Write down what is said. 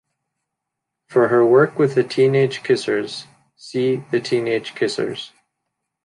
For her work with The Teenage Kissers, see The Teenage Kissers.